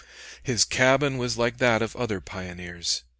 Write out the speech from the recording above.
His cabin was like that of other pioneers.